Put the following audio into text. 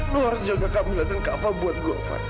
lu harus jaga kamila dan kak fah buat gua van